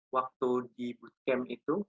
waktu di bootcamp itu